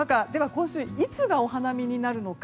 今週いつがお花見になるのか